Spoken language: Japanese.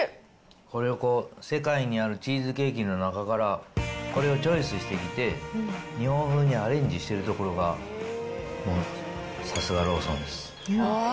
これを世界にあるチーズケーキの中から、これをチョイスしてきて、日本風にアレンジしてるところが、もうさすがローソンです。